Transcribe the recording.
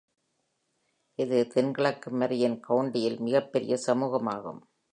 இது தென்கிழக்கு மரியன் கவுண்டியில் மிகப்பெரிய சமூகமாகும்.